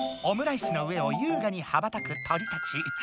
オムライスの上をゆうがに羽ばたく鳥たち。